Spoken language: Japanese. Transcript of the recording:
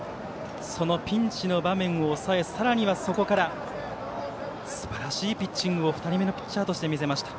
そのピンチの場面を抑えさらにはそこからすばらしいピッチングを２人目のピッチャーとして見せました。